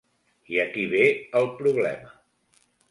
I aquí ve el problema.